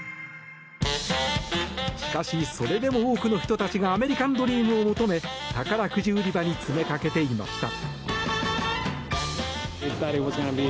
しかし、それでも多くの人たちがアメリカンドリームを求め宝くじ売り場に詰めかけていました。